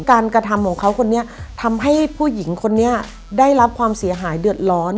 กระทำของเขาคนนี้ทำให้ผู้หญิงคนนี้ได้รับความเสียหายเดือดร้อน